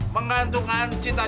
menggantungkan cita cita masti